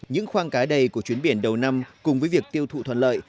những khoang cái đầy của chuyến biển đầu năm cùng với việc tiêu thụ thuận lợi